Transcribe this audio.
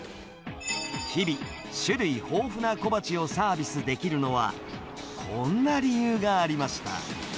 日々、種類豊富な小鉢をサービスできるのは、こんな理由がありました。